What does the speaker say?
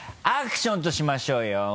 アクションとしましょうよ。